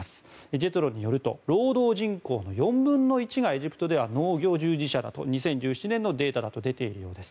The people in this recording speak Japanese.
ジェトロによると労働人口の４分の１がエジプトでは農業従事者だと２０１７年のデータだと出ているようです。